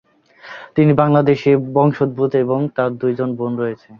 তিনি বাংলাদেশি বংশোদ্ভূত এবং তার দুইজন বোন রয়েছে।